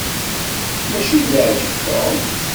Mačči d leɛjeb Tom?